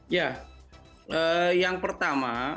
ya yang pertama